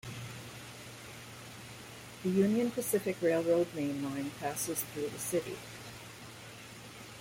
The Union Pacific Railroad mainline passes through the city.